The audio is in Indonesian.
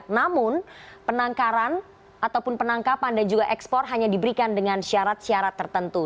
namun penangkaran ataupun penangkapan dan juga ekspor hanya diberikan dengan syarat syarat tertentu